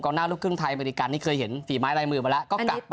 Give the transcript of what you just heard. กองหน้าลูกครึ่งไทยอเมริกานี่เคยเห็น๔ไม้ลายมือมาแล้ว